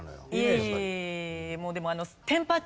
もうでも。